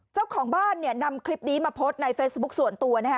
เจ้าของบ้านเนี่ยนำคลิปนี้มาโพสต์ในเฟซบุ๊คส่วนตัวนะฮะ